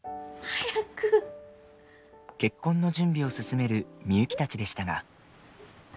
結婚の準備を進めるミユキたちでしたが。